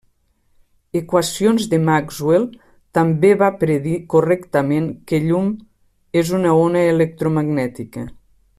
Equacions de Maxwell També va predir correctament que llum és una ona electromagnètica.